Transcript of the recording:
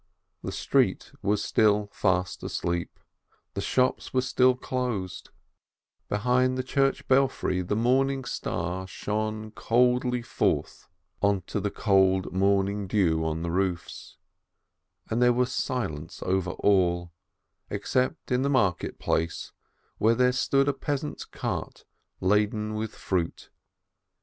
The street was still fast asleep, the shops were still closed, behind the church belfry the morning star shone coldly forth onto the cold morning dew on the roofs, and there was silence over all, except in the market place, where there stood a peasant's cart laden with fruit.